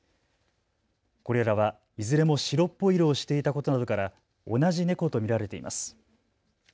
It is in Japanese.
これらはいずれも白っぽい色をしていたことなどから同じ猫と見られています。